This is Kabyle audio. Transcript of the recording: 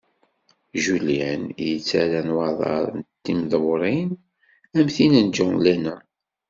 Julien yettarra nnwaḍer d timdewṛin am tid n John Lennon.